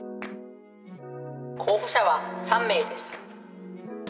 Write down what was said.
候補者は３名です。